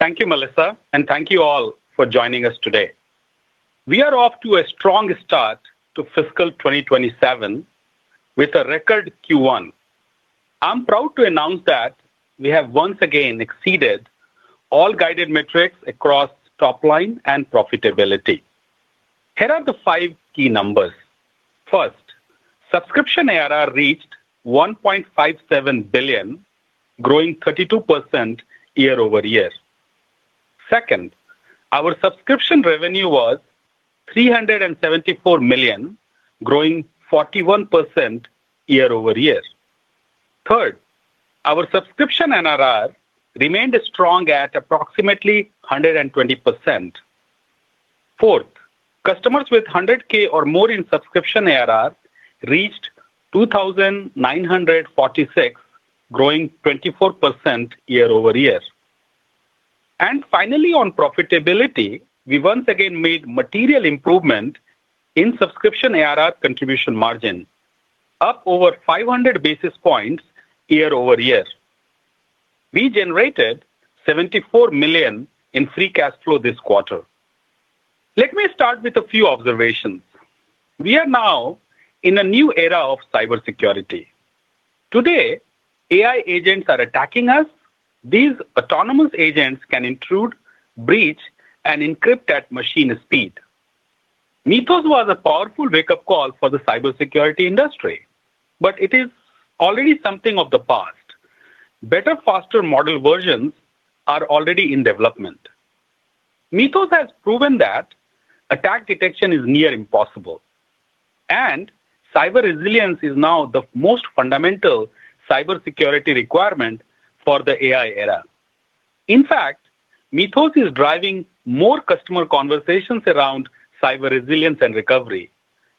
Thank you, Melissa, and thank you all for joining us today. We are off to a strong start to fiscal 2027 with a record Q1. I'm proud to announce that we have once again exceeded all guided metrics across top line and profitability. Here are the five key numbers. First, subscription ARR reached $1.57 billion, growing 32% year-over-year. Second, our subscription revenue was $374 million, growing 41% year-over-year. Third, our subscription NRR remained strong at approximately 120%. Fourth, customers with 100,000 or more in subscription ARR reached 2,946, growing 24% year-over-year. Finally, on profitability, we once again made material improvement in subscription ARR contribution margin, up over 500 basis points year-over-year. We generated $74 million in free cash flow this quarter. Let me start with a few observations. We are now in a new era of cybersecurity. Today, AI agents are attacking us. These autonomous agents can intrude, breach, and encrypt at machine speed. Mythos was a powerful wake-up call for the cybersecurity industry, but it is already something of the past. Better, faster model versions are already in development. Mythos has proven that attack detection is near impossible, and cyber resilience is now the most fundamental cybersecurity requirement for the AI era. In fact, Mythos is driving more customer conversations around cyber resilience and recovery,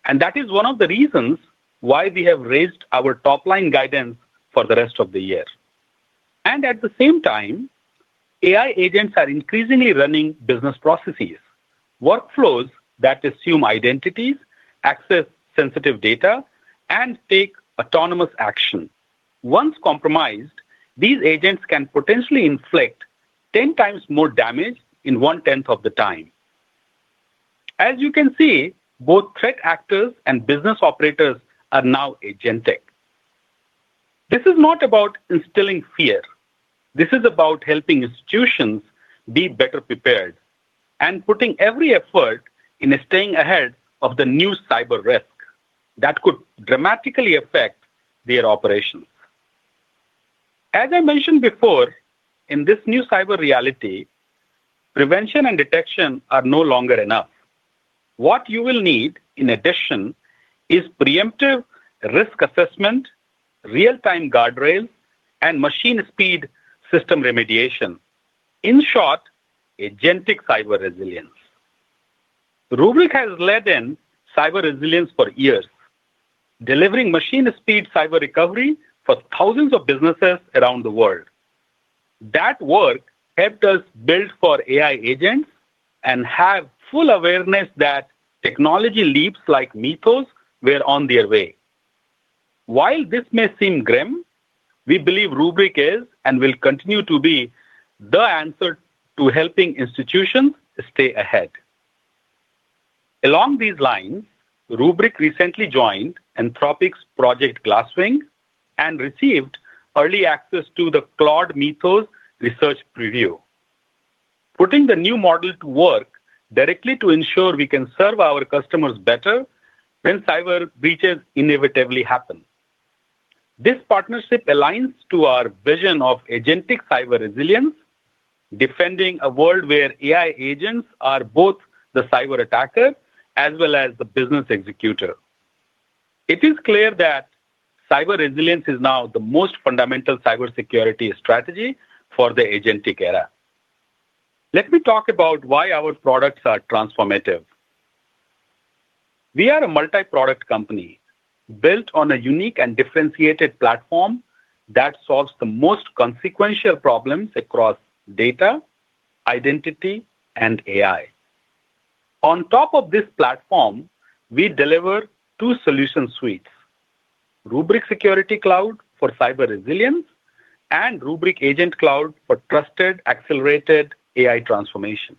and that is one of the reasons why we have raised our top-line guidance for the rest of the year. At the same time, AI agents are increasingly running business processes, workflows that assume identities, access sensitive data, and take autonomous action. Once compromised, these agents can potentially inflict 10 times more damage in 1/10 of the time. As you can see, both threat actors and business operators are now agentic. This is not about instilling fear. This is about helping institutions be better prepared and putting every effort into staying ahead of the new cyber risk that could dramatically affect their operations. As I mentioned before, in this new cyber reality, prevention and detection are no longer enough. What you will need, in addition, is preemptive risk assessment, real-time guardrail, and machine-speed system remediation. In short, agentic cyber resilience. Rubrik has led in cyber resilience for years, delivering machine speed, cyber recovery for thousands of businesses around the world. That work helped us build for AI agents and have full awareness that technology leaps like Mythos were on their way. While this may seem grim, we believe Rubrik is and will continue to be the answer to helping institutions stay ahead. Along these lines, Rubrik recently joined Anthropic's Project Glasswing and received early access to the Claude Mythos Research Preview, putting the new models to work directly to ensure we can serve our customers better when cyber breaches inevitably happen. This partnership aligns to our vision of agentic cyber resilience, defending a world where AI agents are both the cyber attacker as well as the business executor. It is clear that cyber resilience is now the most fundamental cybersecurity strategy for the agentic era. Let me talk about why our products are transformative. We are a multi-product company built on a unique and differentiated platform that solves the most consequential problems across data, identity, and AI. On top of this platform, we deliver two solution suites, Rubrik Security Cloud for cyber resilience and Rubrik Agent Cloud for trusted, accelerated AI transformation.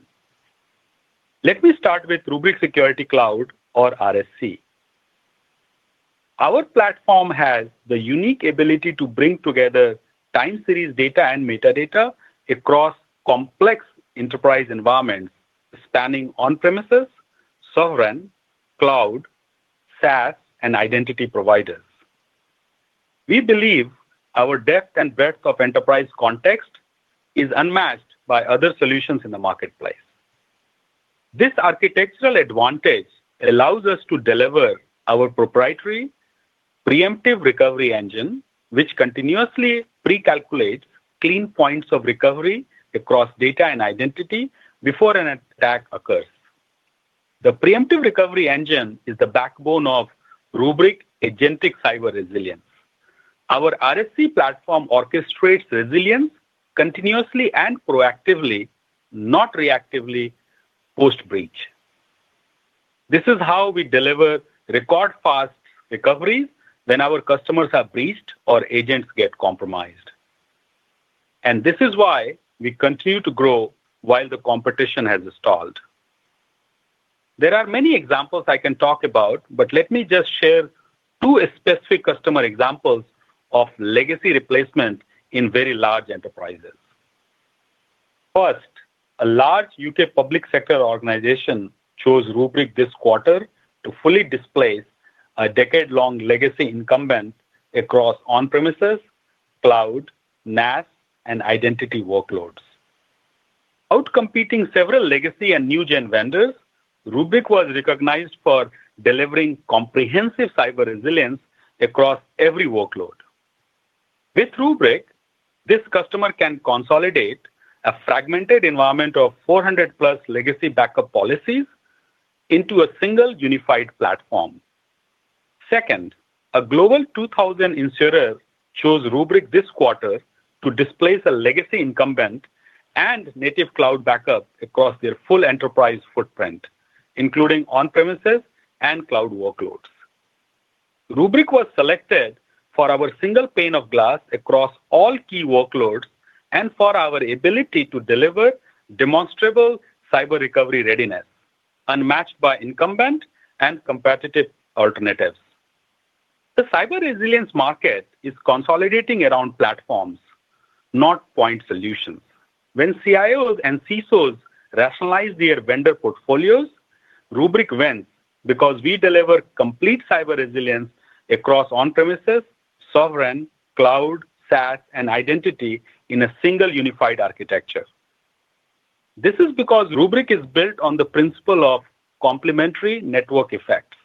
Let me start with Rubrik Security Cloud, or RSC. Our platform has the unique ability to bring together time series data and metadata across complex enterprise environments spanning on-premises, sovereign, cloud, SaaS, and identity providers. We believe our depth and breadth of enterprise context is unmatched by other solutions in the marketplace. This architectural advantage allows us to deliver our proprietary Preemptive Recovery Engine, which continuously pre-calculates clean points of recovery across data and identity before an attack occurs. The Preemptive Recovery Engine is the backbone of Rubrik agentic cyber resilience. Our RSC platform orchestrates resilience continuously and proactively, not reactively, post-breach. This is how we deliver record-fast recovery when our customers are breached or agents get compromised. This is why we continue to grow while the competition has stalled. There are many examples I can talk about, but let me just share two specific customer examples of legacy replacement in very large enterprises. First, a large U.K. public sector organization chose Rubrik this quarter to fully displace a decade-long legacy incumbent across on-premises, cloud, NAS, and identity workloads. Outcompeting several legacy and new-gen vendors, Rubrik was recognized for delivering comprehensive cyber resilience across every workload. With Rubrik, this customer can consolidate a fragmented environment of 400+ legacy backup policies into a single unified platform. Second, a Global 2000 insurer chose Rubrik this quarter to displace a legacy incumbent and native cloud backup across their full enterprise footprint, including on-premises and cloud workloads. Rubrik was selected for our single pane of glass across all key workloads and for our ability to deliver demonstrable cyber recovery readiness, unmatched by incumbent and competitive alternatives. The cyber resilience market is consolidating around platforms, not point solutions. When CIOs and CSOs rationalize their vendor portfolios, Rubrik wins because we deliver complete cyber resilience across on-premises, sovereign, cloud, SaaS, and identity in a single unified architecture. This is because Rubrik is built on the principle of complementary network effects.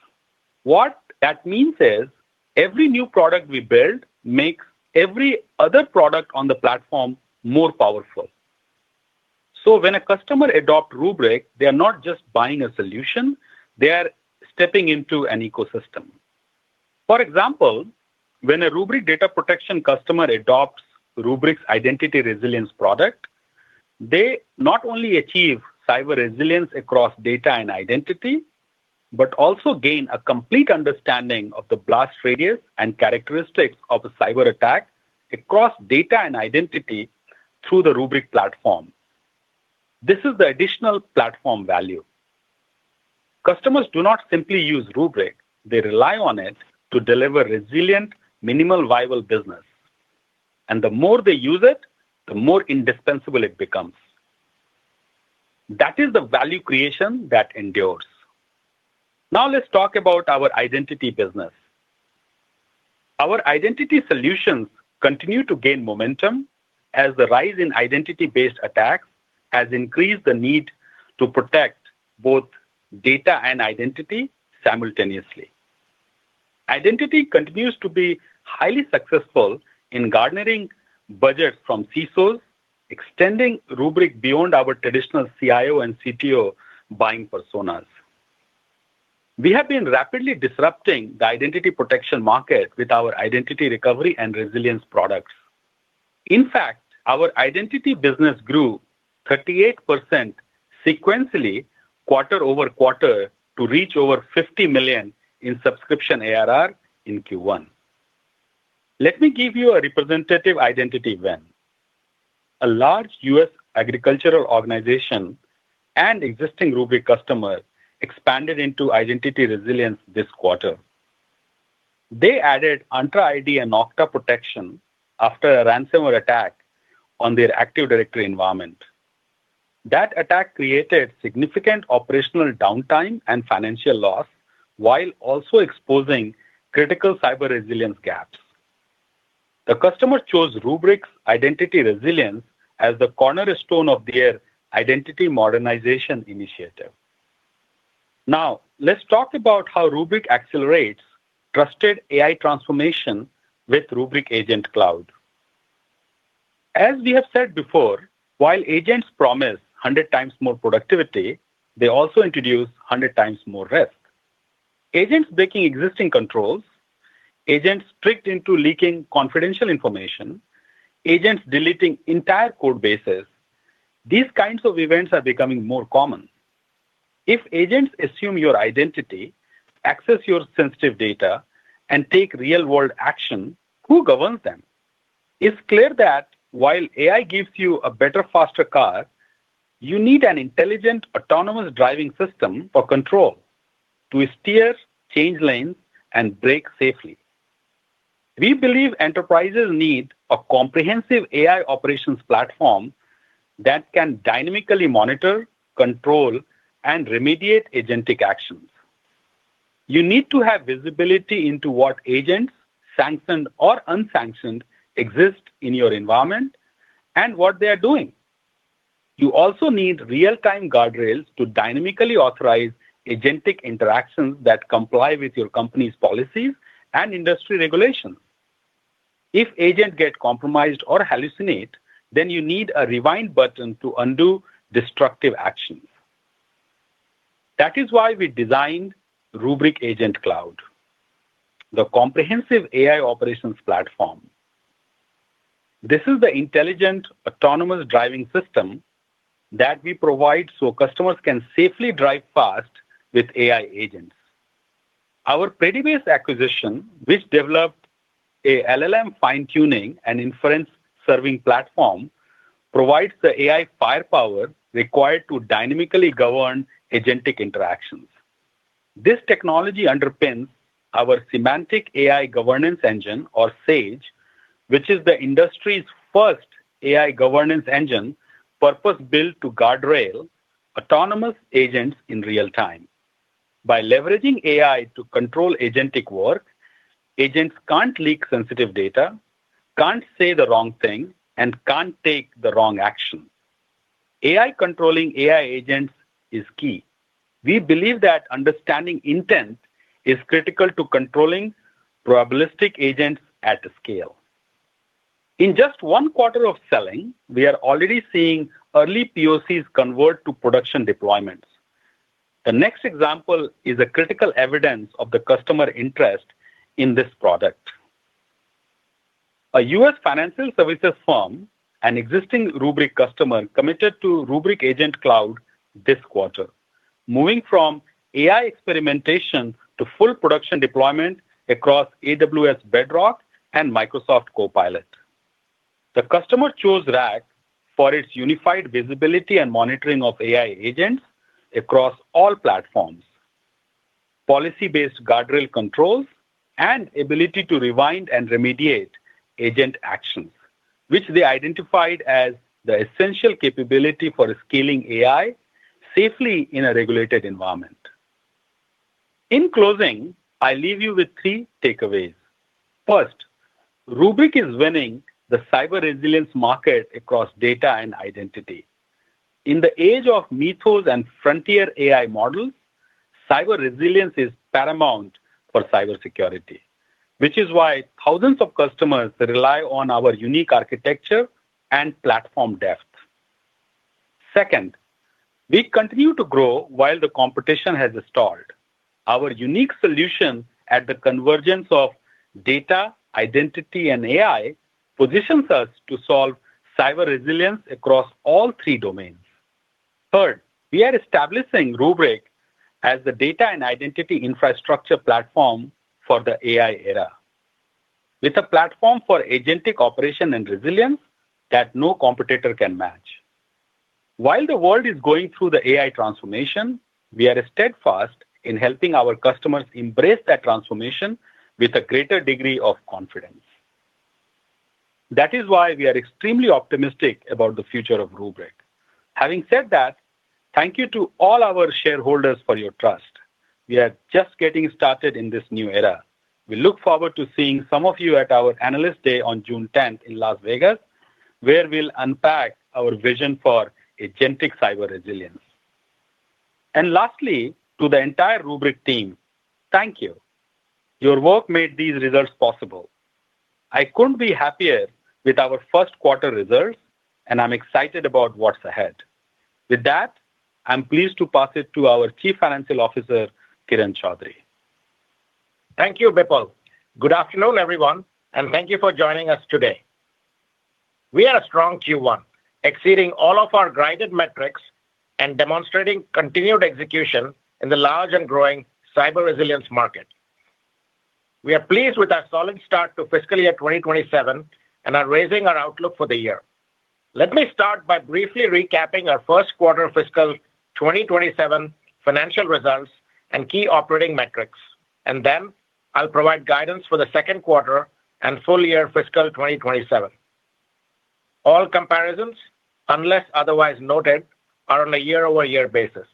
What that means is, every new product we build makes every other product on the platform more powerful. When a customer adopts Rubrik, they are not just buying a solution, they are stepping into an ecosystem. For example, when a Rubrik data protection customer adopts Rubrik's Identity Resilience product, they not only achieve cyber resilience across data and identity, but also gain a complete understanding of the blast radius and characteristics of a cyber attack across data and identity through the Rubrik platform. This is the additional platform value. Customers do not simply use Rubrik, they rely on it to deliver resilient, minimal viable business. The more they use it, the more indispensable it becomes. That is the value creation that endures. Now let's talk about our identity business. Our identity solutions continue to gain momentum as the rise in identity-based attacks has increased the need to protect both data and identity simultaneously. Identity continues to be highly successful in garnering budgets from CSOs, extending Rubrik beyond our traditional CIO and CTO buying personas. We have been rapidly disrupting the identity protection market with our identity recovery and resilience products. In fact, our identity business grew 38% sequentially quarter-over-quarter to reach over $50 million in subscription ARR in Q1. Let me give you a representative identity win. A large U.S. agricultural organization and existing Rubrik customer expanded into Identity Resilience this quarter. They added Entra ID and Okta protection after a ransomware attack on their Active Directory environment. That attack created significant operational downtime and financial loss, while also exposing critical cyber resilience gaps. The customer chose Rubrik's Identity Resilience as the cornerstone of their identity modernization initiative. Now, let's talk about how Rubrik accelerates trusted AI transformation with Rubrik Agent Cloud. As we have said before, while agents promise 100 times more productivity, they also introduce 100 times more risk. Agents breaking existing controls, agents tricked into leaking confidential information, agents deleting entire code bases. These kinds of events are becoming more common. If agents assume your identity, access your sensitive data, and take real-world action, who governs them? It's clear that while AI gives you a better, faster car, you need an intelligent, autonomous driving system for control to steer, change lanes, and brake safely. We believe enterprises need a comprehensive AI operations platform that can dynamically monitor, control, and remediate agentic actions. You need to have visibility into what agents, sanctioned or unsanctioned, exist in your environment and what they are doing. You also need real-time guardrails to dynamically authorize agentic interactions that comply with your company's policies and industry regulations. If agents get compromised or hallucinate, you need a rewind button to undo destructive actions. That is why we designed Rubrik Agent Cloud, the comprehensive AI operations platform. This is the intelligent autonomous driving system that we provide so customers can safely drive fast with AI agents. Our Predibase acquisition, which developed a LLM fine-tuning and inference serving platform, provides the AI firepower required to dynamically govern agentic interactions. This technology underpins our Semantic AI Governance Engine, or SAGE, which is the industry's first AI governance engine purpose-built to guardrail autonomous agents in real time. By leveraging AI to control agentic work, agents can't leak sensitive data, can't say the wrong thing, and can't take the wrong action. AI controlling AI agents is key. We believe that understanding intent is critical to controlling probabilistic agents at scale. In just one quarter of selling, we are already seeing early POCs convert to production deployments. The next example is a critical evidence of the customer interest in this product. A U.S. financial services firm, an existing Rubrik customer, committed to Rubrik Agent Cloud this quarter, moving from AI experimentation to full production deployment across AWS Bedrock and Microsoft Copilot. The customer chose RAC for its unified visibility and monitoring of AI agents across all platforms, policy-based guardrail controls, and ability to rewind and remediate agent actions, which they identified as the essential capability for scaling AI safely in a regulated environment. In closing, I leave you with three takeaways. First, Rubrik is winning the cyber resilience market across data and identity. In the age of Mythos and frontier AI models, cyber resilience is paramount for cybersecurity, which is why thousands of customers rely on our unique architecture and platform depth. Second, we continue to grow while the competition has stalled. Our unique solution at the convergence of data, identity, and AI positions us to solve cyber resilience across all three domains. Third, we are establishing Rubrik as the data and identity infrastructure platform for the AI era, with a platform for agentic operation and resilience that no competitor can match. While the world is going through the AI transformation, we are steadfast in helping our customers embrace that transformation with a greater degree of confidence. That is why we are extremely optimistic about the future of Rubrik. Having said that, thank you to all our shareholders for your trust. We are just getting started in this new era. We look forward to seeing some of you at our Analyst Day on June 10th in Las Vegas, where we'll unpack our vision for agentic cyber resilience. Lastly, to the entire Rubrik team, thank you. Your work made these results possible. I couldn't be happier with our first quarter results, and I'm excited about what's ahead. With that, I'm pleased to pass it to our Chief Financial Officer, Kiran Choudary. Thank you, Bipul. Good afternoon, everyone, and thank you for joining us today. We had a strong Q1, exceeding all of our guided metrics and demonstrating continued execution in the large and growing cyber resilience market. We are pleased with our solid start to fiscal year 2027 and are raising our outlook for the year. Let me start by briefly recapping our first quarter fiscal 2027 financial results and key operating metrics. Then I'll provide guidance for the second quarter and full year fiscal 2027. All comparisons, unless otherwise noted, are on a year-over-year basis.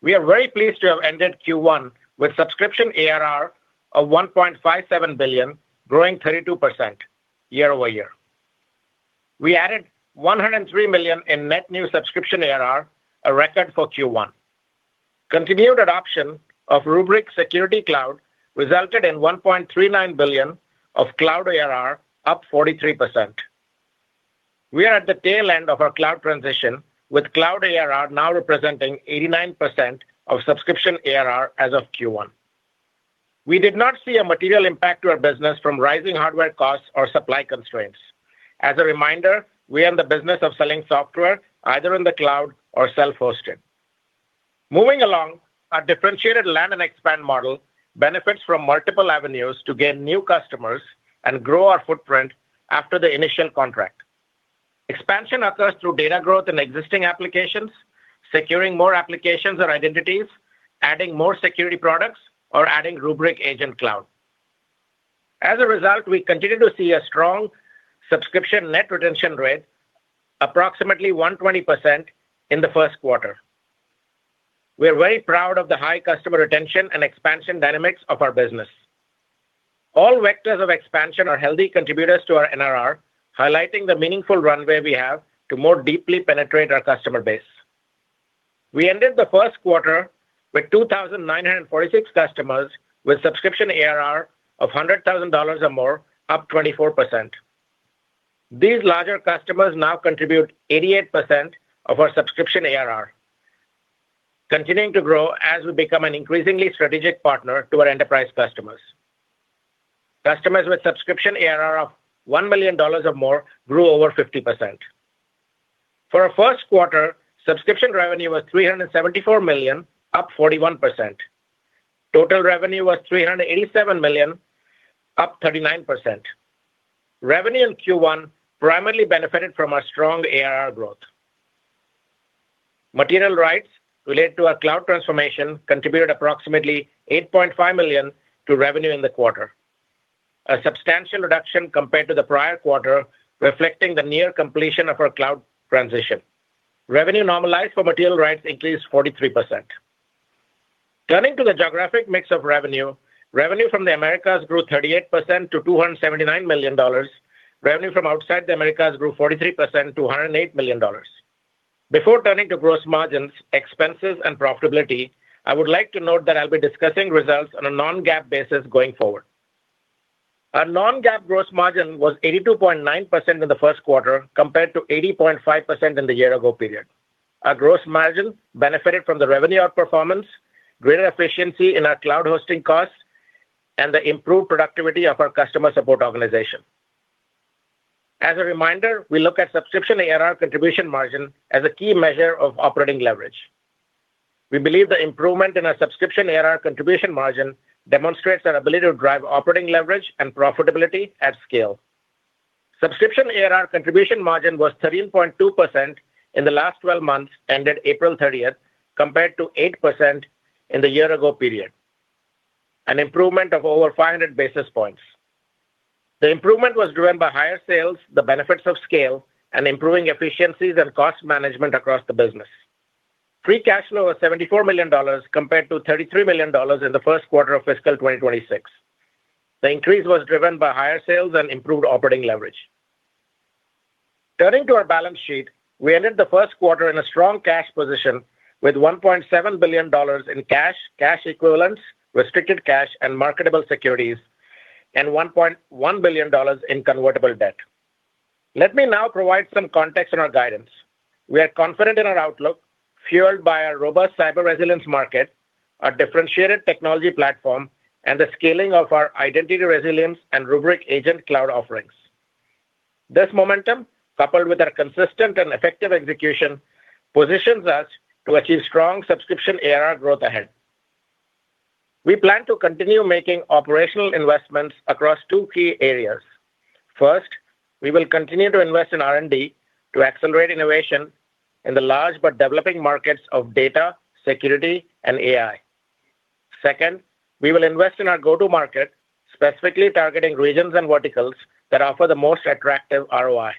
We are very pleased to have ended Q1 with subscription ARR of $1.57 billion, growing 32% year-over-year. We added $103 million in net new subscription ARR, a record for Q1. Continued adoption of Rubrik Security Cloud resulted in $1.39 billion of cloud ARR, up 43%. We are at the tail end of our cloud transition, with cloud ARR now representing 89% of subscription ARR as of Q1. We did not see a material impact to our business from rising hardware costs or supply constraints. As a reminder, we are in the business of selling software either in the cloud or self-hosted. Moving along, our differentiated land and expand model benefits from multiple avenues to gain new customers and grow our footprint after the initial contract. Expansion occurs through data growth in existing applications, securing more applications or identities, adding more security products, or adding Rubrik Agent Cloud. As a result, we continue to see a strong subscription net retention rate, approximately 120% in the first quarter. We are very proud of the high customer retention and expansion dynamics of our business. All vectors of expansion are healthy contributors to our NRR, highlighting the meaningful runway we have to more deeply penetrate our customer base. We ended the first quarter with 2,946 customers with subscription ARR of $100,000 or more, up 24%. These larger customers now contribute 88% of our subscription ARR, continuing to grow as we become an increasingly strategic partner to our enterprise customers. Customers with subscription ARR of $1 million or more grew over 50%. For our first quarter, subscription revenue was $374 million, up 41%. Total revenue was $387 million, up 39%. Revenue in Q1 primarily benefited from our strong ARR growth. Material rights related to our cloud transformation contributed approximately $8.5 million to revenue in the quarter, a substantial reduction compared to the prior quarter, reflecting the near completion of our cloud transition. Revenue normalized for material rights increased 43%. Turning to the geographic mix of revenue from the Americas grew 38% to $279 million. Revenue from outside the Americas grew 43% to $108 million. Before turning to gross margins, expenses, and profitability, I would like to note that I'll be discussing results on a non-GAAP basis going forward. Our non-GAAP gross margin was 82.9% in the first quarter, compared to 80.5% in the year ago period. Our gross margin benefited from the revenue outperformance, greater efficiency in our cloud hosting costs, and the improved productivity of our customer support organization. As a reminder, we look at subscription ARR contribution margin as a key measure of operating leverage. We believe the improvement in our subscription ARR contribution margin demonstrates our ability to drive operating leverage and profitability at scale. Subscription ARR contribution margin was 13.2% in the last 12 months ended April 30th, compared to 8% in the year ago period, an improvement of over 500 basis points. The improvement was driven by higher sales, the benefits of scale, and improving efficiencies and cost management across the business. Free cash flow was $74 million compared to $33 million in the first quarter of fiscal 2026. The increase was driven by higher sales and improved operating leverage. Turning to our balance sheet, we ended the first quarter in a strong cash position with $1.7 billion in cash equivalents, restricted cash, and marketable securities, and $1.1 billion in convertible debt. Let me now provide some context on our guidance. We are confident in our outlook fueled by our robust cyber resilience market, our differentiated technology platform, and the scaling of our Identity Resilience and Rubrik Agent Cloud offerings. This momentum, coupled with our consistent and effective execution, positions us to achieve strong subscription ARR growth ahead. We plan to continue making operational investments across two key areas. First, we will continue to invest in R&D to accelerate innovation in the large but developing markets of data, security, and AI. Second, we will invest in our go-to-market, specifically targeting regions and verticals that offer the most attractive ROI.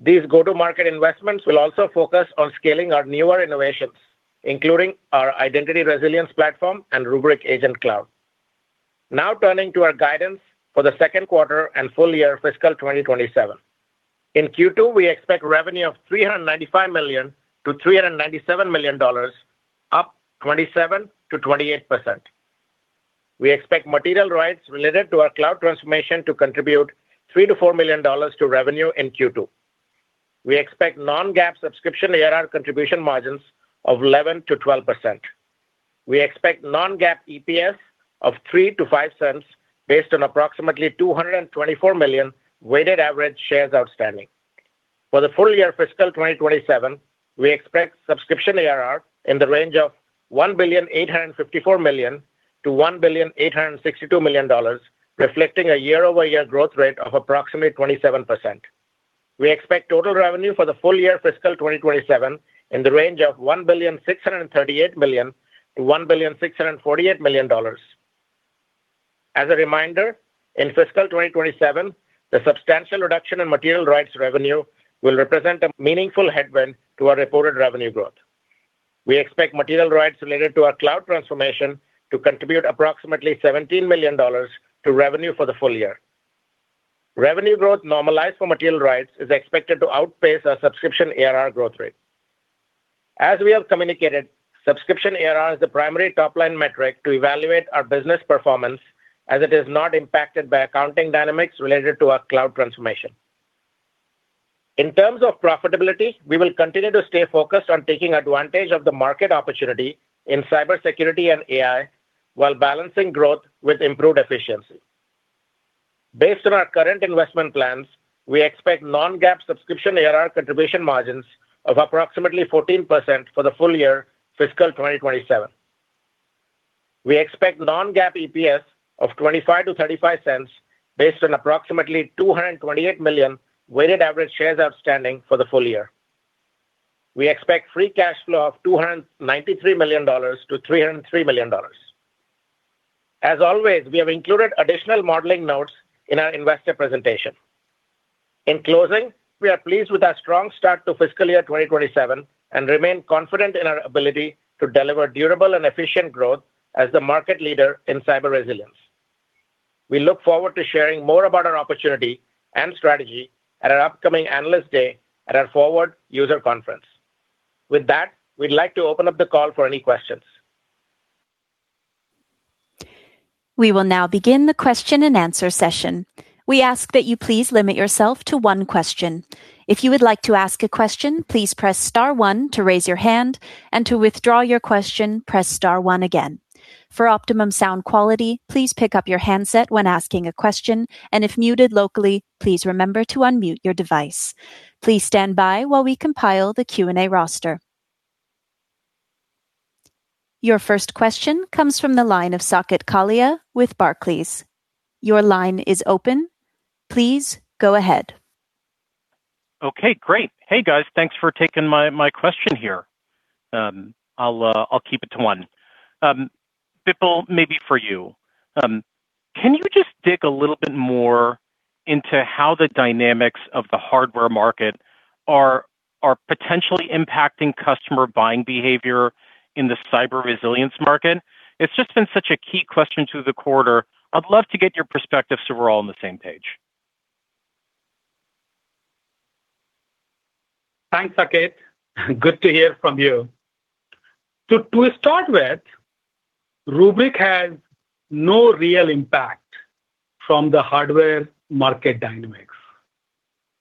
These go-to-market investments will also focus on scaling our newer innovations, including our Identity Resilience platform and Rubrik Agent Cloud. Turning to our guidance for the second quarter and full year fiscal 2027. In Q2, we expect revenue of $395 million-$397 million, up 27%-28%. We expect material rights related to our cloud transformation to contribute $3 million-$4 million to revenue in Q2. We expect non-GAAP subscription ARR contribution margins of 11%-12%. We expect non-GAAP EPS of $0.03-$0.05 based on approximately 224 million weighted average shares outstanding. For the full year FY 2027, we expect subscription ARR in the range of $1,854 million-$1,862 million, reflecting a year-over-year growth rate of approximately 27%. We expect total revenue for the full year FY 2027 in the range of $1,638 million-$1,648 million. As a reminder, in FY 2027, the substantial reduction in material rights revenue will represent a meaningful headwind to our reported revenue growth. We expect material rights related to our cloud transformation to contribute approximately $17 million to revenue for the full year. Revenue growth normalized for material rights is expected to outpace our subscription ARR growth rate. As we have communicated, subscription ARR is the primary top-line metric to evaluate our business performance, as it is not impacted by accounting dynamics related to our cloud transformation. In terms of profitability, we will continue to stay focused on taking advantage of the market opportunity in cybersecurity and AI while balancing growth with improved efficiency. Based on our current investment plans, we expect non-GAAP subscription ARR contribution margins of approximately 14% for the full year fiscal 2027. We expect non-GAAP EPS of $0.25-$0.35 based on approximately 228 million weighted average shares outstanding for the full year. We expect free cash flow of $293 million-$303 million. As always, we have included additional modeling notes in our investor presentation. In closing, we are pleased with our strong start to fiscal year 2027 and remain confident in our ability to deliver durable and efficient growth as the market leader in cyber resilience. We look forward to sharing more about our opportunity and strategy at our upcoming Analyst Day at our FORWARD user conference. With that, we'd like to open up the call for any questions. We will now begin the question-and-answer session. We ask that you please limit yourself to one question. If you would like to ask a question, please press star one to raise your hand, and to withdraw your question, press star one again. For optimum sound quality, please pick up your handset when asking a question, and if muted locally, please remember to unmute your device. Please stand by while we compile the Q&A roster. Your first question comes from the line of Saket Kalia with Barclays. Your line is open. Please go ahead. Okay, great. Hey, guys. Thanks for taking my question here. I'll keep it to one. Bipul, maybe for you. Can you just dig a little bit more into how the dynamics of the hardware market are potentially impacting customer buying behavior in the cyber resilience market? It's just been such a key question through the quarter. I'd love to get your perspective so we're all on the same page. Thanks, Saket. Good to hear from you. To start with, Rubrik has no real impact from the hardware market dynamics.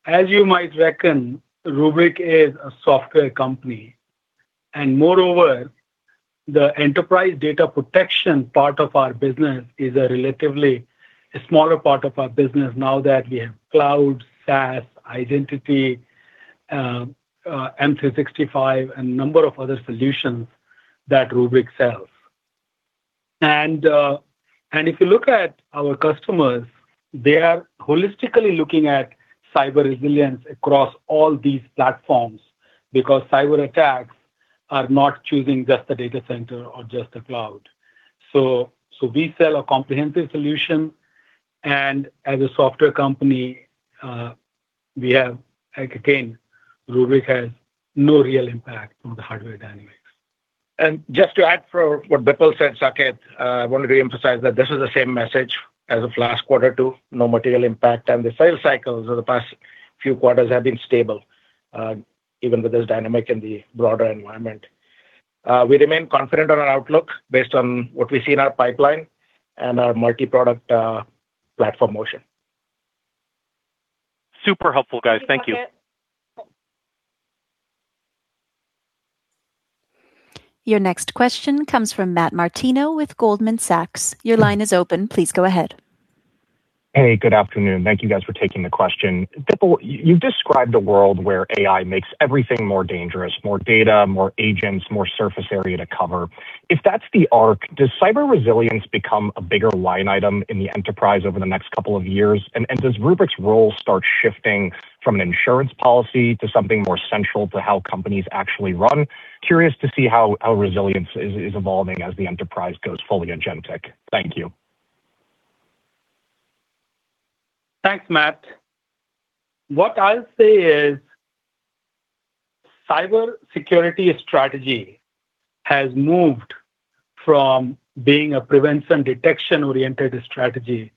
As you might reckon, Rubrik is a software company, and moreover, the enterprise data protection part of our business is a relatively smaller part of our business now that we have cloud, SaaS, identity, M365, and number of other solutions that Rubrik sells. If you look at our customers, they are holistically looking at cyber resilience across all these platforms because cyberattacks are not choosing just the data center or just the cloud. We sell a comprehensive solution, and as a software company, again, Rubrik has no real impact on the hardware dynamics. Just to add for what Bipul said, Saket, I want to reemphasize that this is the same message as of last quarter too, no material impact, and the sales cycles over the past few quarters have been stable, even with this dynamic in the broader environment. We remain confident on our outlook based on what we see in our pipeline and our multi-product platform motion. Super helpful, guys. Thank you. Your next question comes from Matt Martino with Goldman Sachs. Your line is open. Please go ahead. Hey, good afternoon. Thank you guys for taking the question. Bipul, you've described a world where AI makes everything more dangerous, more data, more agents, more surface area to cover. If that's the arc, does cyber resilience become a bigger line item in the enterprise over the next couple of years? Does Rubrik's role start shifting from an insurance policy to something more central to how companies actually run? Curious to see how resilience is evolving as the enterprise goes fully agentic. Thank you. Thanks, Matt. What I'll say is cyber security strategy has moved from being a prevention detection-oriented strategy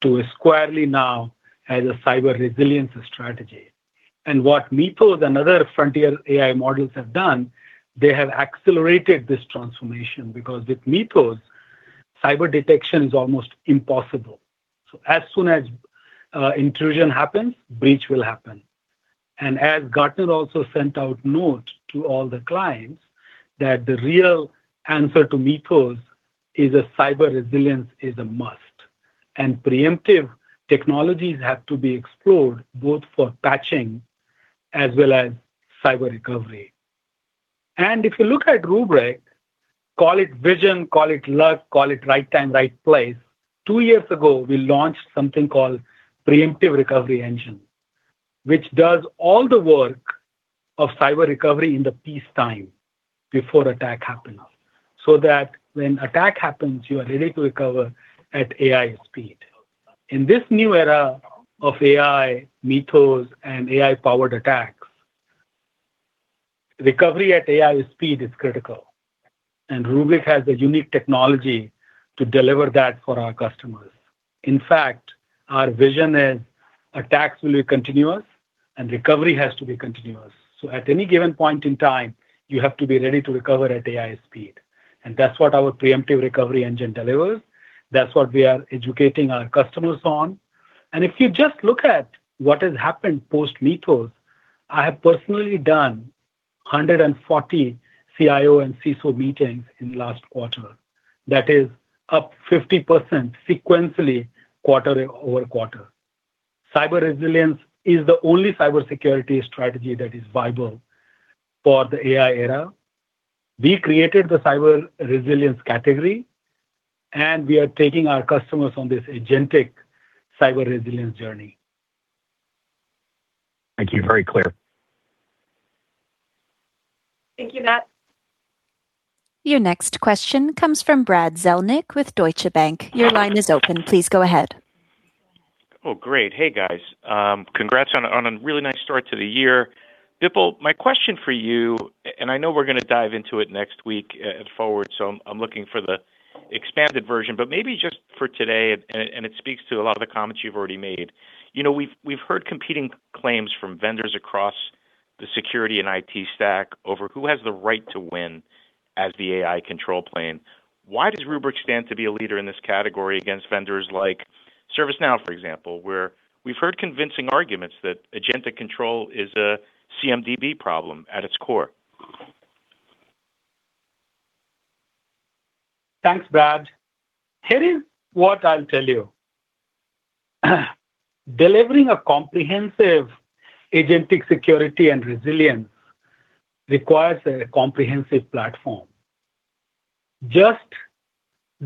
to squarely now as a cyber resilience strategy. What Mythos and other frontier AI models have done, they have accelerated this transformation because with Mythos, cyber detection is almost impossible. As soon as intrusion happens, breach will happen. As Gartner also sent out note to all the clients that the real answer to Mythos is a cyber resilience is a must. Preemptive technologies have to be explored, both for patching as well as cyber recovery. If you look at Rubrik, call it vision, call it luck, call it right time, right place. Two years ago, we launched something called Preemptive Recovery Engine, which does all the work of cyber recovery in the peacetime before attack happens, so that when attack happens, you are ready to recover at AI speed. In this new era of AI, Mythos, and AI-powered attacks, recovery at AI speed is critical, and Rubrik has a unique technology to deliver that for our customers. In fact, our vision is attacks will be continuous, and recovery has to be continuous. At any given point in time, you have to be ready to recover at AI speed. That's what our Preemptive Recovery Engine delivers. That's what we are educating our customers on. If you just look at what has happened post-Mythos, I have personally done 140 CIO and CISO meetings in the last quarter. That is up 50% sequentially quarter-over-quarter. Cyber Resilience is the only cybersecurity strategy that is viable for the AI era. We created the Cyber Resilience category, and we are taking our customers on this agentic Cyber Resilience journey. Thank you. Very clear. Thank you, Matt. Your next question comes from Brad Zelnick with Deutsche Bank. Your line is open. Please go ahead. Oh, great. Hey, guys. Congrats on a really nice start to the year. Bipul, my question for you, and I know we're going to dive into it next week at FORWARD, so I'm looking for the expanded version, but maybe just for today, and it speaks to a lot of the comments you've already made. We've heard competing claims from vendors across the security and IT stack over who has the right to win as the AI control plane. Why does Rubrik stand to be a leader in this category against vendors like ServiceNow, for example, where we've heard convincing arguments that agentic control is a CMDB problem at its core? Thanks, Brad. Here is what I'll tell you. Delivering a comprehensive agentic security and resilience requires a comprehensive platform. Just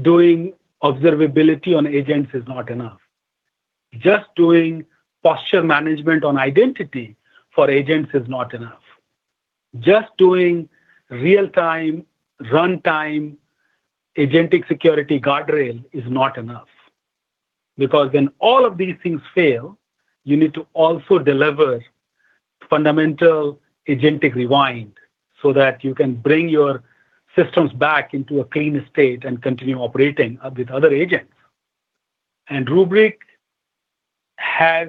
doing observability on agents is not enough. Just doing posture management on identity for agents is not enough. Just doing real-time, runtime, agentic security guardrail is not enough. When all of these things fail, you need to also deliver fundamental Agent Rewind, so that you can bring your systems back into a clean state and continue operating with other agents. Rubrik has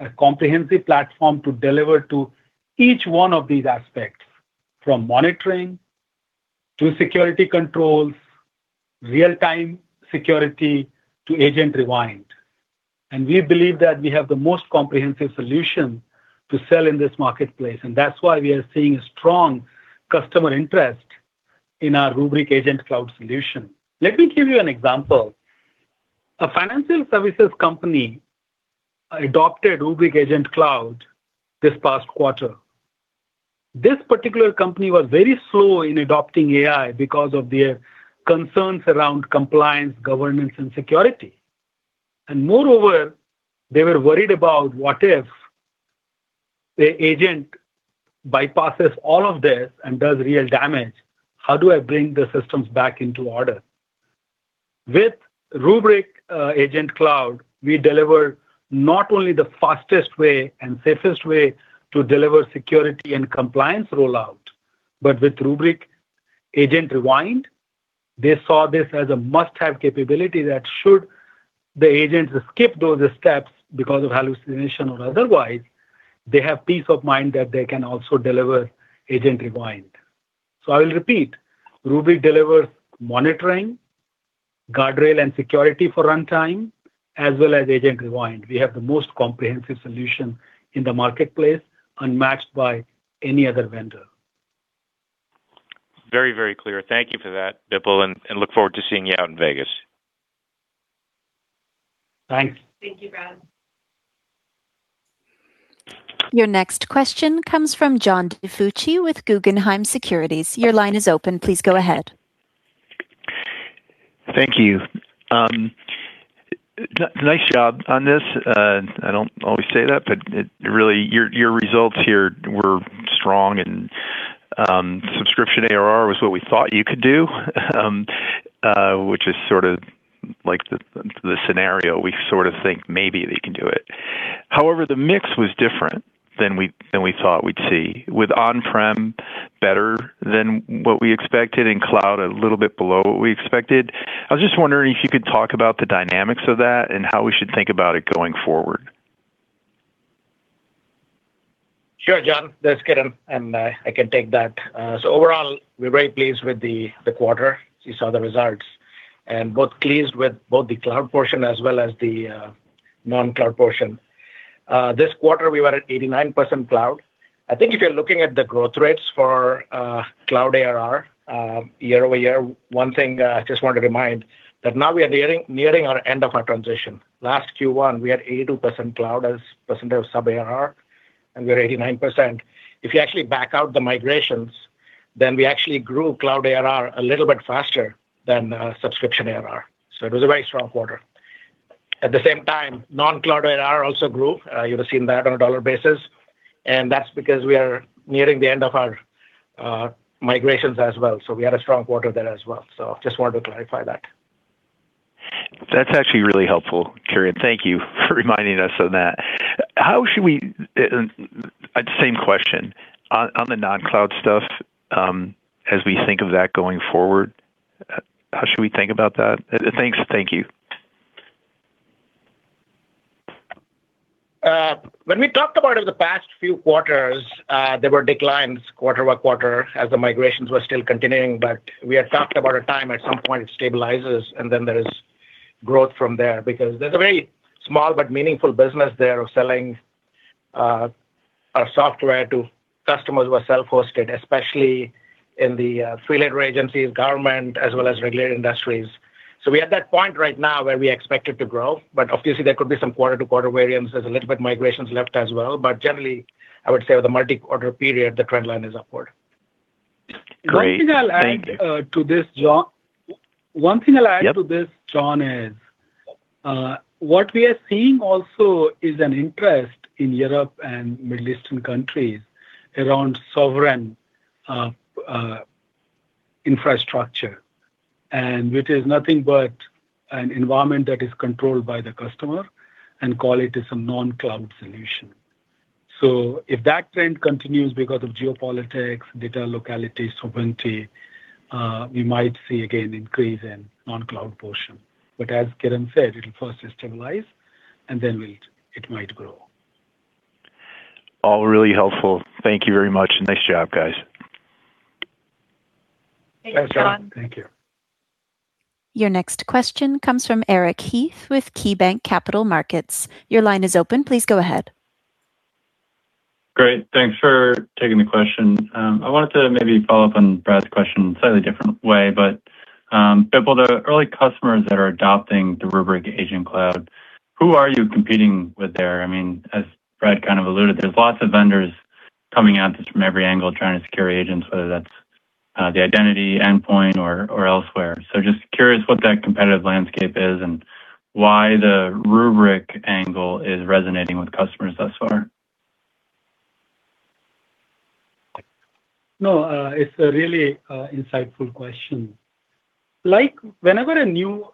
a comprehensive platform to deliver to each one of these aspects, from monitoring to security controls, real-time security, to Agent Rewind. We believe that we have the most comprehensive solution to sell in this marketplace, and that's why we are seeing strong customer interest in our Rubrik Agent Cloud solution. Let me give you an example. A financial services company adopted Rubrik Agent Cloud this past quarter. This particular company was very slow in adopting AI because of their concerns around compliance, governance, and security. Moreover, they were worried about, what if the agent bypasses all of this and does real damage? How do I bring the systems back into order? With Rubrik Agent Cloud, we deliver not only the fastest way and safest way to deliver security and compliance rollout, but with Rubrik Agent Rewind, they saw this as a must-have capability that should the agent skip those steps because of hallucination or otherwise, they have peace of mind that they can also deliver Agent Rewind. I will repeat, Rubrik delivers monitoring, guardrail, and security for runtime, as well as Agent Rewind. We have the most comprehensive solution in the marketplace, unmatched by any other vendor. Very, very clear. Thank you for that, Bipul, and look forward to seeing you out in Vegas. Thanks. Thank you, Brad. Your next question comes from John DiFucci with Guggenheim Securities. Your line is open. Please go ahead. Thank you. Nice job on this. I don't always say that, but really, your results here were strong and subscription ARR was what we thought you could do, which is the scenario we think maybe they can do it. However, the mix was different than we thought we'd see, with on-prem better than what we expected and cloud a little bit below what we expected. I was just wondering if you could talk about the dynamics of that and how we should think about it going forward. Sure, John. That's good. I can take that. Overall, we're very pleased with the quarter. You saw the results. Pleased with both the cloud portion as well as the non-cloud portion. This quarter, we were at 89% cloud. I think if you're looking at the growth rates for cloud ARR year-over-year, one thing I just want to remind, that now we are nearing our end of our transition. Last Q1, we had 82% cloud as percent of sub-ARR, we are 89%. If you actually back out the migrations, we actually grew cloud ARR a little bit faster than subscription ARR. It was a very strong quarter. At the same time, non-cloud ARR also grew. You would've seen that on a dollar basis, that's because we are nearing the end of our migrations as well. We had a strong quarter there as well. Just wanted to clarify that. That's actually really helpful, Kiran. Thank you for reminding us of that. Same question. On the non-cloud stuff, as we think of that going forward, how should we think about that? Thank you. When we talked about it the past few quarters, there were declines quarter-over-quarter as the migrations were still continuing, but we had talked about a time at some point it stabilizes, and then there is growth from there. There's a very small but meaningful business there of selling our software to customers who are self-hosted, especially in the three-letter agencies, government, as well as regulated industries. We are at that point right now where we expect it to grow, but obviously there could be some quarter-to-quarter variance. There's a little bit of migrations left as well. Generally, I would say over the multi-quarter period, the trend line is upward. Great. Thank you. One thing I'll add to this, John, is what we are seeing also is an interest in Europe and Middle Eastern countries around sovereign infrastructure. Which is nothing but an environment that is controlled by the customer, and call it as a non-cloud solution. If that trend continues because of geopolitics, data locality, sovereignty, we might see, again, increase in non-cloud portion. As Kiran said, it'll first stabilize, and then it might grow. All really helpful. Thank you very much, and nice job, guys. Thanks, John. Thanks, John. Thank you. Your next question comes from Eric Heath with KeyBanc Capital Markets. Your line is open. Please go ahead. Great. Thanks for taking the question. I wanted to maybe follow up on Brad's question in a slightly different way. Bipul, the early customers that are adopting the Rubrik Agent Cloud, who are you competing with there? As Brad kind of alluded, there's lots of vendors coming at this from every angle trying to secure agents, whether that's the identity endpoint or elsewhere. Just curious what that competitive landscape is and why the Rubrik angle is resonating with customers thus far. No, it's a really insightful question. Whenever a new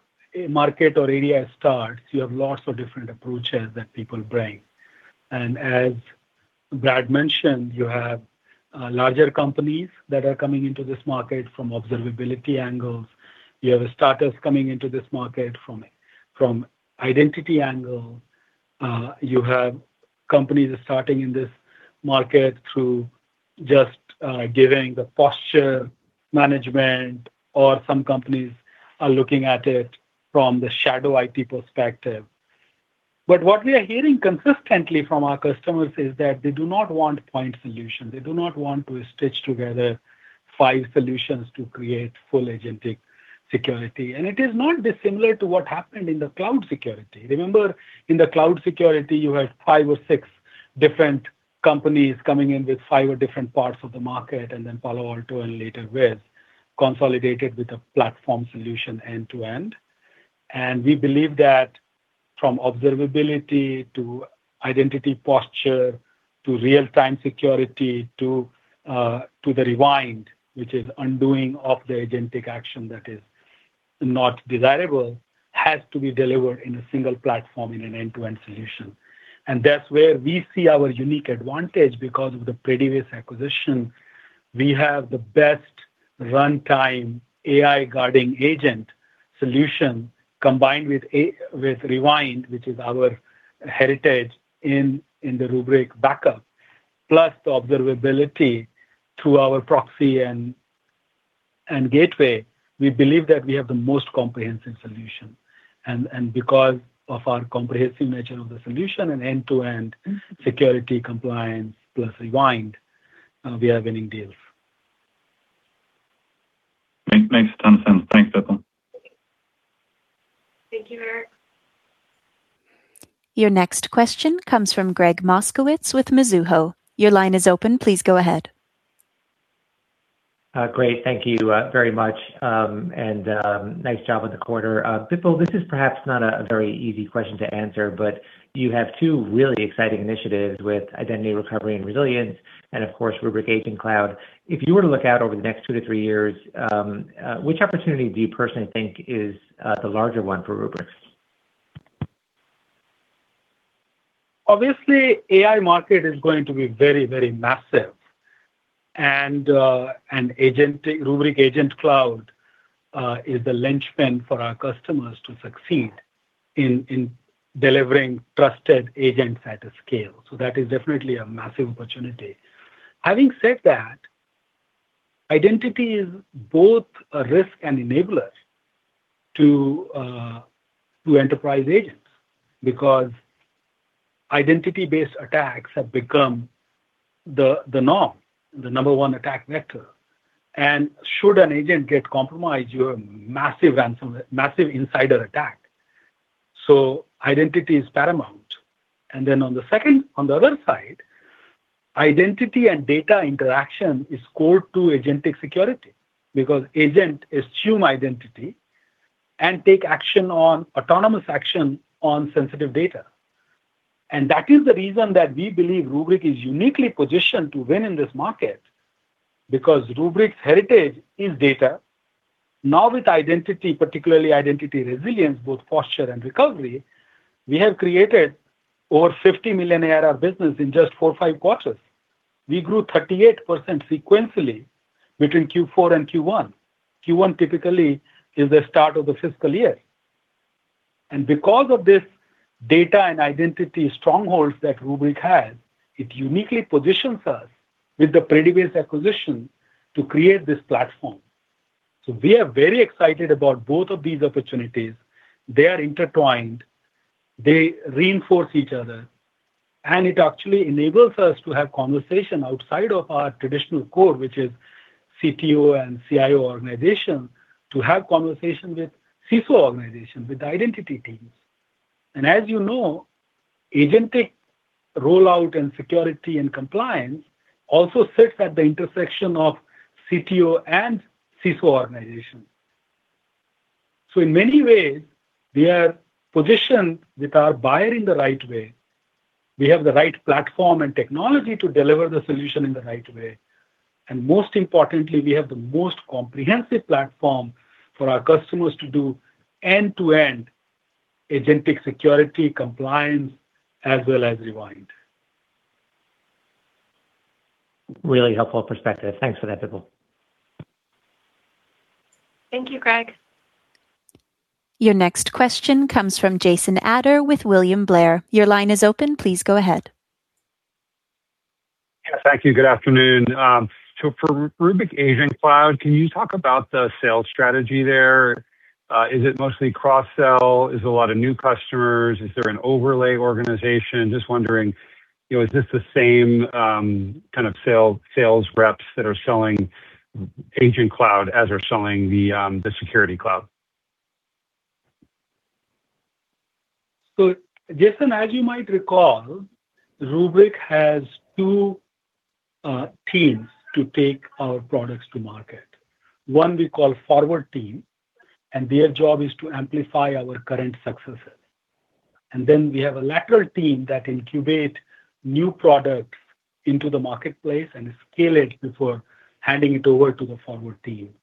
market or area starts, you have lots of different approaches that people bring. As Brad mentioned, you have larger companies that are coming into this market from observability angles. You have starters coming into this market from identity angle. You have companies starting in this market through just giving the posture management, or some companies are looking at it from the shadow IT perspective. What we are hearing consistently from our customers is that they do not want point solution. They do not want to stitch together five solutions to create full agentic security. It is not dissimilar to what happened in the cloud security. Remember in the cloud security, you had five or six different companies coming in with five or different parts of the market, Palo Alto and later Wiz consolidated with a platform solution end-to-end. We believe that from observability to identity posture, to real-time security, to the Rewind, which is undoing of the agentic action that is not desirable, has to be delivered in a single platform in an end-to-end solution. That's where we see our unique advantage because of the predibase acquisition. We have the best runtime AI guarding agent solution combined with Rewind, which is our heritage in the Rubrik backup, plus the observability through our proxy and gateway. We believe that we have the most comprehensive solution. Because of our comprehensive nature of the solution and end-to-end security compliance plus Rewind, we are winning deals. Thanks for the understanding. Thanks, Bipul. Thank you, Eric. Your next question comes from Gregg Moskowitz with Mizuho. Your line is open. Please go ahead. Great. Thank you very much, and nice job on the quarter. Bipul, this is perhaps not a very easy question to answer, but you have two really exciting initiatives with identity recovery and resilience, and of course, Rubrik Agent Cloud. If you were to look out over the next two to three years, which opportunity do you personally think is the larger one for Rubrik? Obviously, AI market is going to be very, very massive. Rubrik Agent Cloud is the linchpin for our customers to succeed in delivering trusted agents at a scale. That is definitely a massive opportunity. Having said that, identity is both a risk and enabler to enterprise agents because identity-based attacks have become the norm, the number one attack vector. Should an agent get compromised, you have massive insider attack. Identity is paramount. On the other side, identity and data interaction is core to agentic security because agent assume identity and take autonomous action on sensitive data. That is the reason that we believe Rubrik is uniquely positioned to win in this market, because Rubrik's heritage is data. Now with identity, particularly Identity Resilience, both posture and recovery, we have created over $50 million ARR business in just four or five quarters. We grew 38% sequentially between Q4 and Q1. Q1 typically is the start of the fiscal year. Because of this data and identity strongholds that Rubrik has, it uniquely positions us with the previous acquisition to create this platform. We are very excited about both of these opportunities. They are intertwined. They reinforce each other. It actually enables us to have conversation outside of our traditional core, which is CTO and CIO organization, to have conversations with CISO organizations, with identity teams. As you know, agentic rollout and security and compliance also sits at the intersection of CTO and CISO organizations. In many ways, we are positioned with our buyer in the right way. We have the right platform and technology to deliver the solution in the right way. Most importantly, we have the most comprehensive platform for our customers to do end-to-end agentic security compliance as well as rewind. Really helpful perspective. Thanks for that, Bipul. Thank you, Gregg. Your next question comes from Jason Ader with William Blair. Your line is open. Please go ahead. Yeah. Thank you. Good afternoon. For Rubrik Agent Cloud, can you talk about the sales strategy there? Is it mostly cross-sell? Is it a lot of new customers? Is there an overlay organization? Just wondering, is this the same kind of sales reps that are selling Agent Cloud as are selling the Security Cloud? Jason, as you might recall, Rubrik has two teams to take our products to market. One we call forward team, and their job is to amplify our current successes. Then we have a lateral team that incubate new products into the marketplace and scale it before handing it over to the forward team.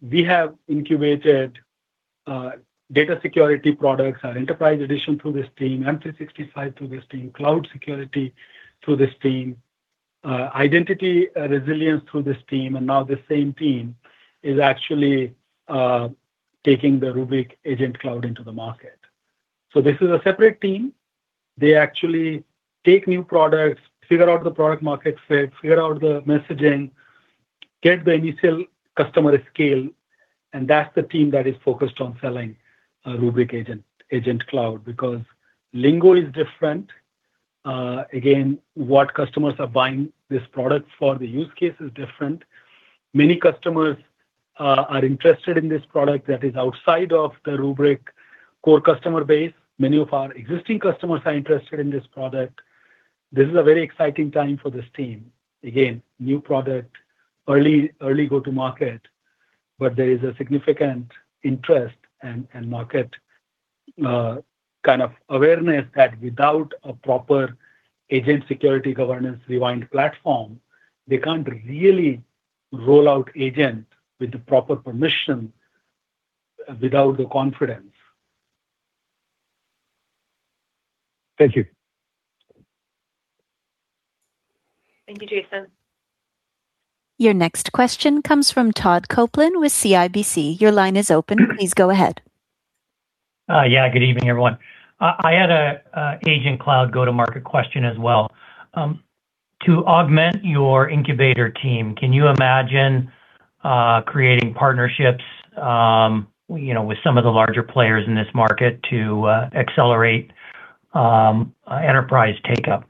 We have incubated data security products, our enterprise edition through this team, M365 through this team, cloud security through this team, Identity Resilience through this team, and now the same team is actually taking the Rubrik Agent Cloud into the market. This is a separate team. They actually take new products, figure out the product market fit, figure out the messaging, get the initial customer scale, and that's the team that is focused on selling Rubrik Agent Cloud because lingo is different. Again, what customers are buying this product for, the use case is different. Many customers are interested in this product that is outside of the Rubrik core customer base. Many of our existing customers are interested in this product. This is a very exciting time for this team. Again, new product, early go to market, but there is a significant interest and market awareness that without a proper agent security governance rewind platform, they can't really roll out agent with the proper permission without the confidence. Thank you. Thank you, Jason. Your next question comes from Todd Coupland with CIBC. Your line is open. Please go ahead. Yeah, good evening, everyone. I had an Agent Cloud go-to-market question as well. To augment your incubator team, can you imagine creating partnerships with some of the larger players in this market to accelerate enterprise take-up?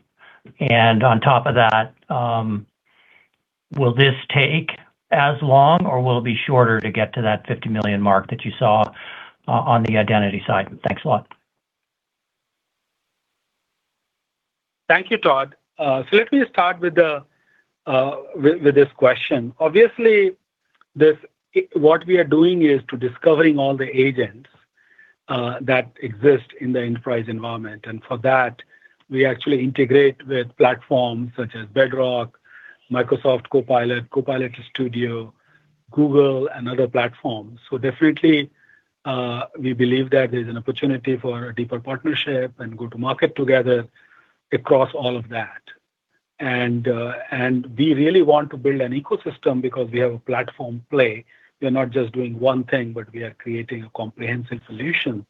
On top of that, will this take as long, or will it be shorter to get to that $50 million mark that you saw on the identity side? Thanks a lot. Thank you, Todd. Let me start with this question. Obviously, what we are doing is to discovering all the agents that exist in the enterprise environment. For that, we actually integrate with platforms such as Bedrock, Microsoft Copilot Studio, Google, and other platforms. Definitely, we believe that there's an opportunity for a deeper partnership and go to market together across all of that. We really want to build an ecosystem because we have a platform play. We are not just doing one thing, but we are creating a comprehensive solution,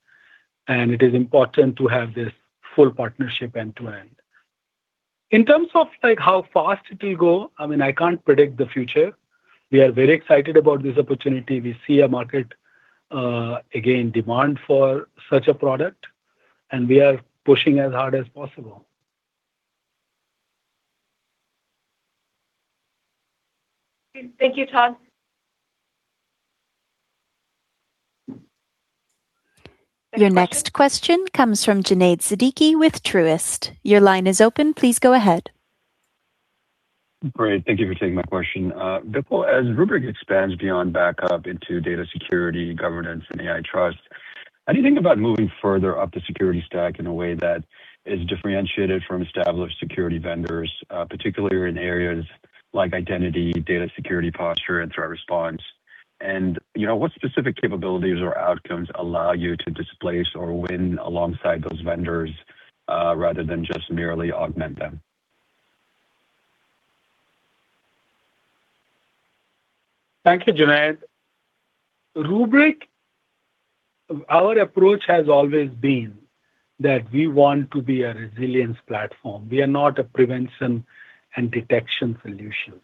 and it is important to have this full partnership end to end. In terms of how fast it will go, I can't predict the future. We are very excited about this opportunity. We see a market, again, demand for such a product, and we are pushing as hard as possible. Thank you, Todd. Next question. Your next question comes from Junaid Siddiqui with Truist. Your line is open. Please go ahead. Great. Thank you for taking my question. Bipul, as Rubrik expands beyond backup into data security, governance, and AI trust, how do you think about moving further up the security stack in a way that is differentiated from established security vendors, particularly in areas like identity, data security posture, and threat response? What specific capabilities or outcomes allow you to displace or win alongside those vendors, rather than just merely augment them? Thank you, Junaid. Rubrik, our approach has always been that we want to be a resilience platform. We are not a prevention and detection solution.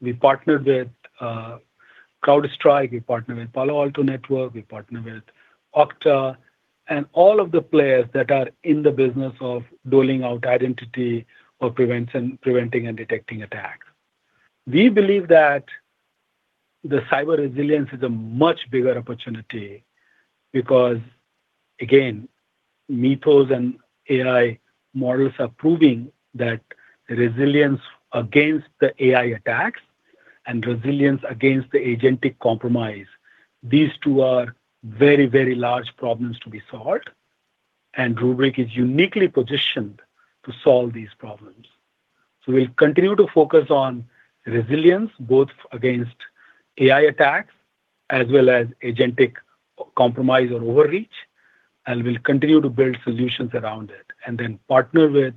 We partner with CrowdStrike, we partner with Palo Alto Networks, we partner with Okta, and all of the players that are in the business of doling out identity or preventing and detecting attacks. We believe that the cyber resilience is a much bigger opportunity because, again, Mythos and AI models are proving that resilience against the AI attacks and resilience against the agentic compromise. These two are very, very large problems to be solved, and Rubrik is uniquely positioned to solve these problems. We'll continue to focus on resilience, both against AI attacks as well as agentic compromise or overreach, and we'll continue to build solutions around it. Partner with,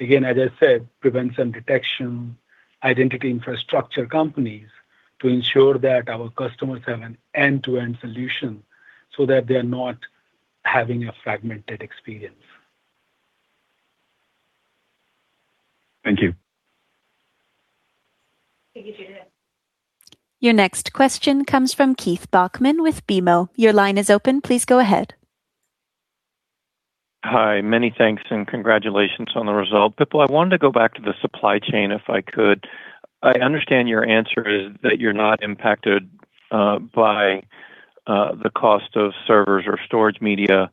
again, as I said, prevention, detection, identity infrastructure companies to ensure that our customers have an end-to-end solution so that they're not having a fragmented experience. Thank you. Thank you, Junaid. Your next question comes from Keith Bachman with BMO. Your line is open. Please go ahead. Hi, many thanks and congratulations on the result. Bipul, I wanted to go back to the supply chain if I could. I understand your answer is that you're not impacted by the cost of servers or storage media,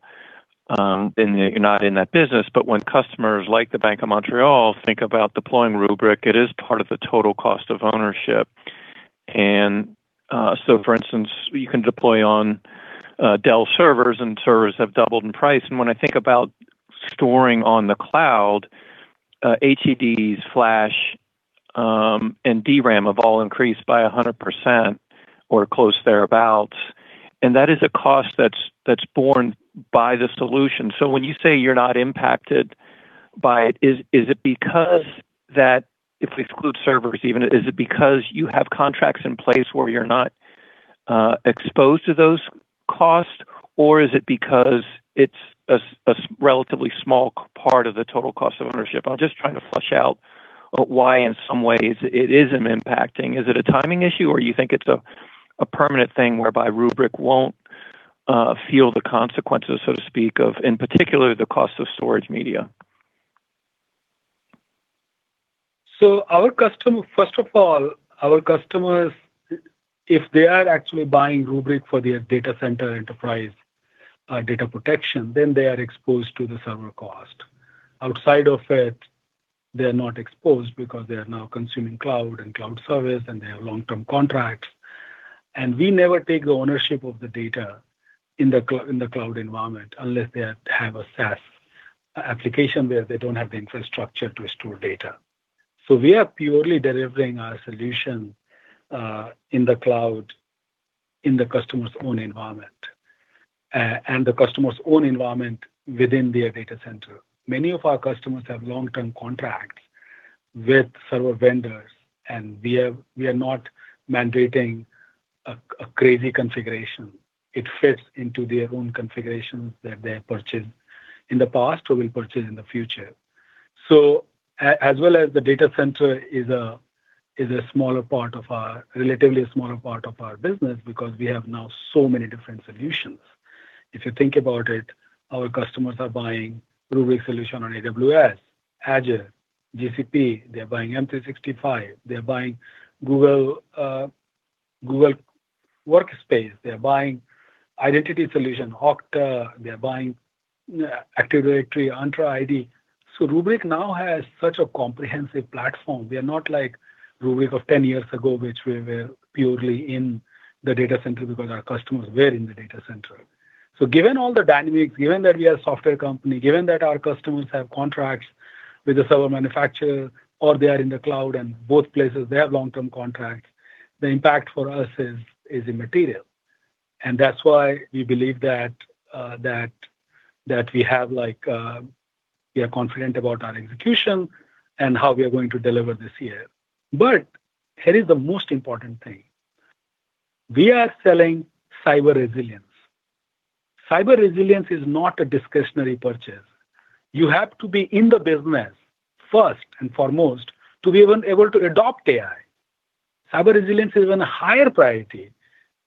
and that you're not in that business. When customers like the Bank of Montreal think about deploying Rubrik, it is part of the total cost of ownership. For instance, you can deploy on Dell servers, and servers have doubled in price. When I think about storing on the cloud, HDDs, flash, and DRAM have all increased by 100% or close thereabout. That is a cost that's borne by the solution. When you say you're not impacted by it, is it because that, if we exclude servers even, is it because you have contracts in place where you're not exposed to those costs? Is it because it's a relatively small part of the total cost of ownership? I'm just trying to flush out why, in some ways, it isn't impacting. Is it a timing issue, or you think it's a permanent thing whereby Rubrik won't feel the consequences, so to speak, of, in particular, the cost of storage media? First of all, our customers, if they are actually buying Rubrik for their data center enterprise data protection, then they are exposed to the server cost. Outside of it, they're not exposed because they are now consuming cloud and cloud service, and they have long-term contracts. We never take the ownership of the data in the cloud environment, unless they have a SaaS application where they don't have the infrastructure to store data. We are purely delivering our solution in the cloud, in the customer's own environment, and the customer's own environment within their data center. Many of our customers have long-term contracts with server vendors, and we are not mandating a crazy configuration. It fits into their own configurations that they purchased in the past or will purchase in the future. As well as the data center is a relatively smaller part of our business because we have now so many different solutions. If you think about it, our customers are buying Rubrik solution on AWS, Azure, GCP. They're buying M365. They're buying Google Workspace. They're buying identity solution, Okta. They're buying Active Directory, Entra ID. Rubrik now has such a comprehensive platform. We are not like Rubrik of 10 years ago, which we were purely in the data center because our customers were in the data center. Given all the dynamics, given that we are a software company, given that our customers have contracts with the server manufacturer, or they are in the cloud and both places they have long-term contracts, the impact for us is immaterial. That's why we believe that we are confident about our execution and how we are going to deliver this year. Here is the most important thing. We are selling cyber resilience. Cyber resilience is not a discretionary purchase. You have to be in the business first and foremost to be even able to adopt AI. Cyber resilience is an higher priority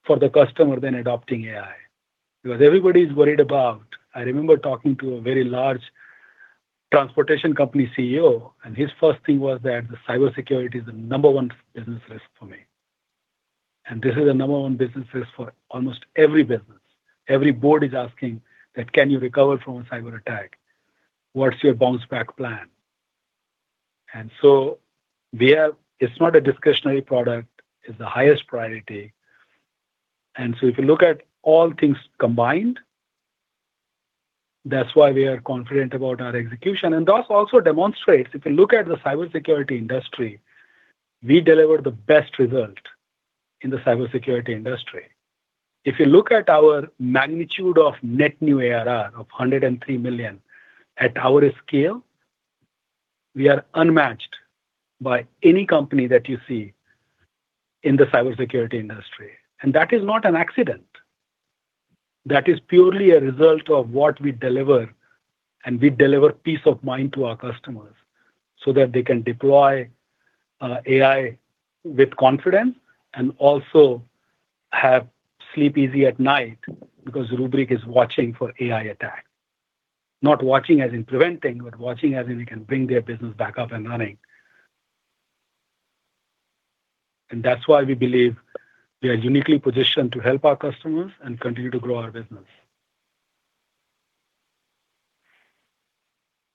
for the customer than adopting AI, because everybody's worried about I remember talking to a very large transportation company CEO, and his first thing was that the cybersecurity is the number one business risk for me. This is a number one business risk for almost every business. Every board is asking that, can you recover from a cyber attack? What's your bounce back plan? It's not a discretionary product. It's the highest priority. If you look at all things combined, that's why we are confident about our execution. That also demonstrates, if you look at the cybersecurity industry, we deliver the best result in the cybersecurity industry. If you look at our magnitude of net new ARR of $103 million, at our scale, we are unmatched by any company that you see in the cybersecurity industry. That is not an accident. That is purely a result of what we deliver, and we deliver peace of mind to our customers so that they can deploy AI with confidence and also have sleep easy at night because Rubrik is watching for AI attacks. Not watching as in preventing, but watching as in we can bring their business back up and running. That's why we believe we are uniquely positioned to help our customers and continue to grow our business.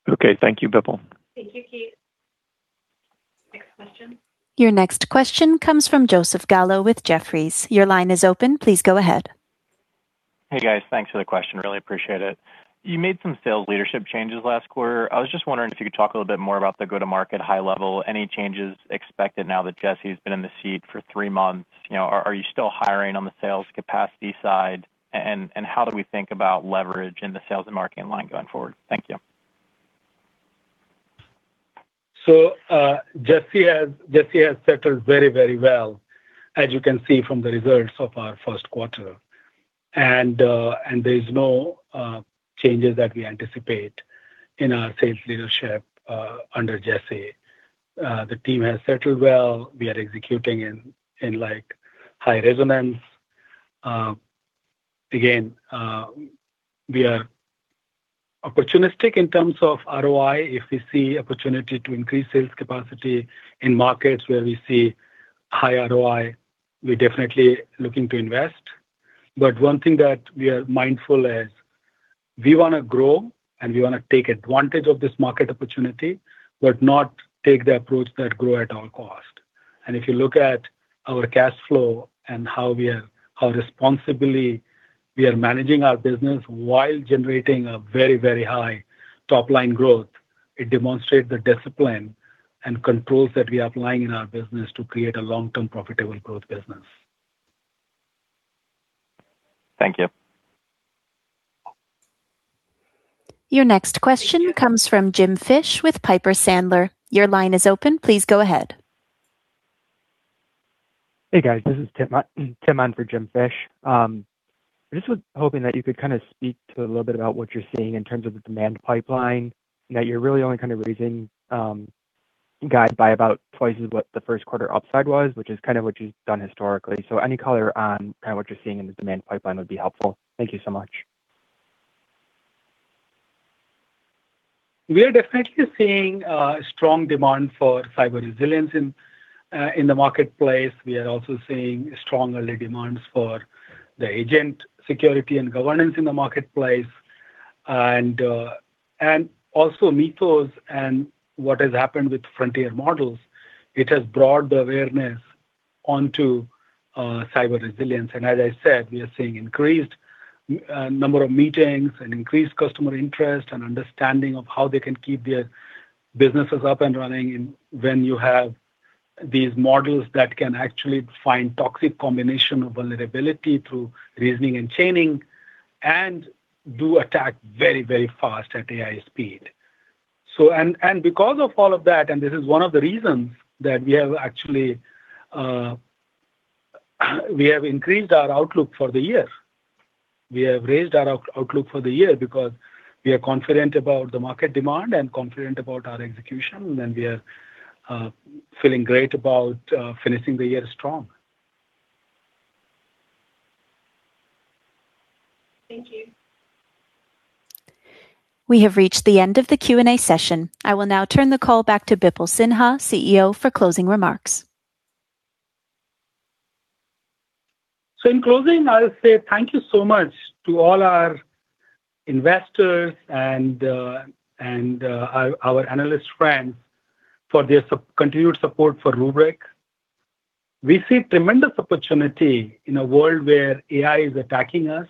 Okay. Thank you, Bipul. Thank you, Keith. Next question. Your next question comes from Joseph Gallo with Jefferies. Your line is open. Please go ahead. Hey, guys. Thanks for the question. Really appreciate it. You made some sales leadership changes last quarter. I was just wondering if you could talk a little bit more about the go-to-market high level. Any changes expected now that Jesse has been in the seat for three months? Are you still hiring on the sales capacity side? How do we think about leverage in the sales and marketing line going forward? Thank you. Jesse has settled very well, as you can see from the results of our first quarter. There's no changes that we anticipate in our sales leadership under Jesse. The team has settled well. We are executing in high resonance. Again, we are opportunistic in terms of ROI. If we see opportunity to increase sales capacity in markets where we see high ROI, we're definitely looking to invest. One thing that we are mindful is we want to grow, and we want to take advantage of this market opportunity, but not take the approach that grow at all cost. If you look at our cash flow and how responsibly we are managing our business while generating a very high top-line growth, it demonstrates the discipline and controls that we are applying in our business to create a long-term profitable growth business. Thank you. Your next question comes from Jim Fish with Piper Sandler. Your line is open. Please go ahead. Hey, guys. This is Tim on for Jim Fish. I just was hoping that you could speak to a little bit about what you're seeing in terms of the demand pipeline, now you're really only kind of raising guide by about twice of what the first quarter upside was, which is what you've done historically. Any color on what you're seeing in the demand pipeline would be helpful. Thank you so much. We are definitely seeing strong demand for cyber resilience in the marketplace. We are also seeing stronger demands for the agent security and governance in the marketplace. Also Mythos and what has happened with frontier models, it has brought the awareness onto cyber resilience. As I said, we are seeing increased number of meetings and increased customer interest and understanding of how they can keep their businesses up and running when you have these models that can actually find toxic combination of vulnerability through reasoning and chaining, and do attack very fast at AI speed. Because of all of that, this is one of the reasons that we have increased our outlook for the year. We have raised our outlook for the year because we are confident about the market demand and confident about our execution, and we are feeling great about finishing the year strong. Thank you. We have reached the end of the Q&A session. I will now turn the call back to Bipul Sinha, CEO, for closing remarks. In closing, I'll say thank you so much to all our investors and our analyst friends for their continued support for Rubrik. We see tremendous opportunity in a world where AI is attacking us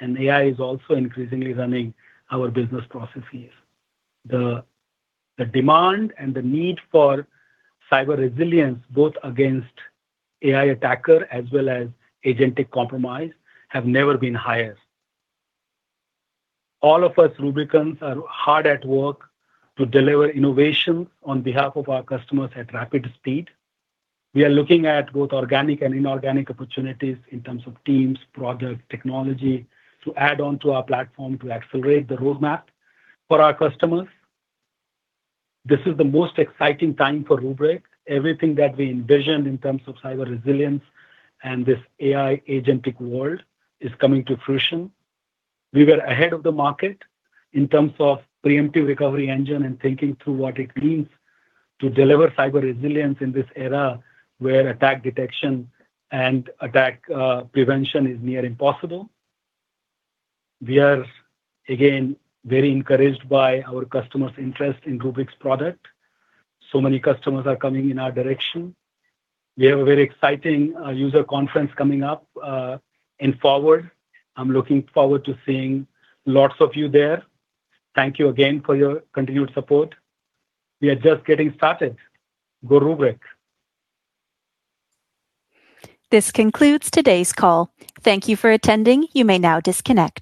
and AI is also increasingly running our business processes. The demand and the need for cyber resilience, both against AI attacker as well as agentic compromise, have never been higher. All of us Rubrikans are hard at work to deliver innovation on behalf of our customers at rapid speed. We are looking at both organic and inorganic opportunities in terms of teams, product, technology to add onto our platform to accelerate the roadmap for our customers. This is the most exciting time for Rubrik. Everything that we envisioned in terms of cyber resilience and this AI agentic world is coming to fruition. We were ahead of the market in terms of Preemptive Recovery Engine and thinking through what it means to deliver cyber resilience in this era where attack detection and attack prevention is near impossible. We are, again, very encouraged by our customers' interest in Rubrik's product. Many customers are coming in our direction. We have a very exciting user conference coming up in FORWARD. I'm looking forward to seeing lots of you there. Thank you again for your continued support. We are just getting started. Go Rubrik. This concludes today's call. Thank you for attending. You may now disconnect.